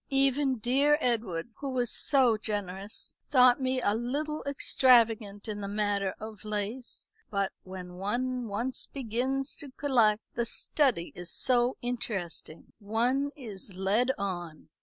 Even dear Edward, who was so generous, thought me a little extravagant in the matter of lace. But when one once begins to collect, the study is so interesting. One is led on."